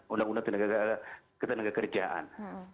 undang undang tenaga kerjaan